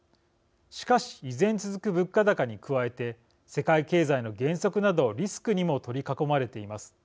しかし、依然続く物価高に加えて世界経済の減速などリスクにも取り囲まれています。